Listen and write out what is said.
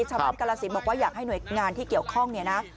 ชาวบับกราศิบย์บอกว่าอยากให้หน่วยงานที่เกี่ยวข้องนี่นะ